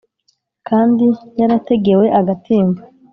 kandi yarategewe agatimba